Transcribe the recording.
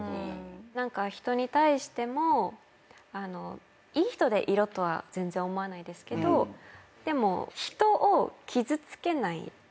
人に対してもいい人でいろとは全然思わないですけどでも人を傷つけない。